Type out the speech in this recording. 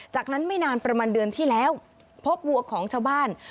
จากนั้นไม่นานประมาณเดือนที่แล้วพบวัวของชาวบ้าน